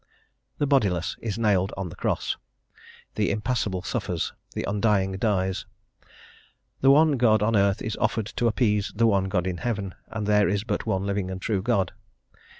The bodiless is nailed on the cross: the impassible suffers: the undying dies: the one God on earth is offered to appease the one God in heaven, and there is but one living and true God.